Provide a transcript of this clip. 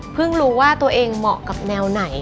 รู้ว่าตัวเองเหมาะกับแนวไหน